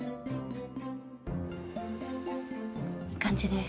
いい感じです。